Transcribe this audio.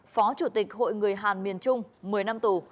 phó chủ tịch hội người hàn miền trung một mươi năm tù